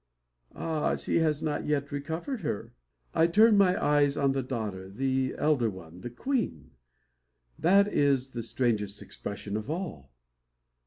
Ah! she has not yet recovered her! I turn my eyes on the daughter the elder one the queen. That is the strangest expression of all.